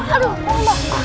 aduh si nurman